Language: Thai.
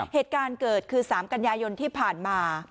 เหตุการณ์เกิดคือ๓กันยายนที่ผ่านมา